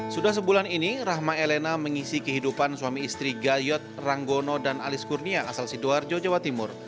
sudah sebulan ini rahma elena mengisi kehidupan suami istri gayot ranggono dan alis kurnia asal sidoarjo jawa timur